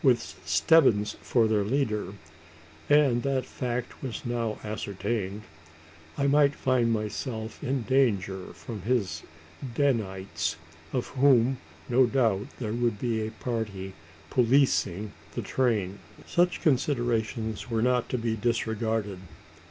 With Stebbins for their leader and that fact was now ascertained I might find myself in danger from his Danites of whom no doubt there would be a party "policing" the train. Such considerations were not to be disregarded.